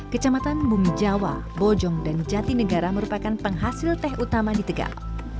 kecamatan bumi jawa bojong dan jatinegara merupakan penghasil teh utama di tegal